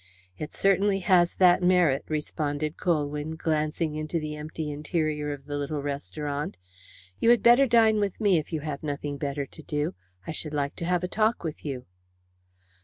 "It certainly has that merit," responded Colwyn, glancing into the empty interior of the little restaurant. "You had better dine with me if you have nothing better to do. I should like to have a talk with you."